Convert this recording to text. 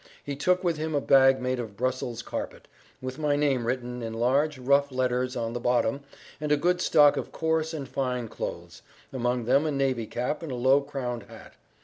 He took with him a bag made of Brussels carpet, with my name written in large, rough letters on the bottom, and a good stock of coarse and fine clothes, among them a navy cap and a low crowned hat.